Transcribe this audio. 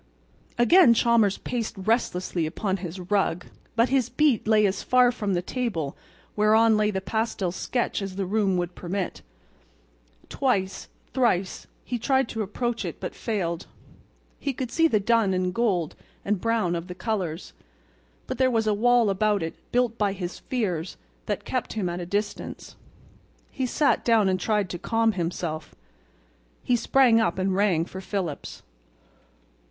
Again Chalmers paced restlessly upon his rug. But his beat lay as far from the table whereon lay the pastel sketch as the room would permit. Twice, thrice, he tried to approach it, but failed. He could see the dun and gold and brown of the colors, but there was a wall about it built by his fears that kept him at a distance. He sat down and tried to calm himself. He sprang up and rang for Phillips.